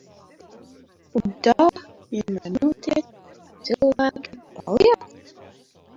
Un tā vienmēr notiek, ka cilvēki paliek?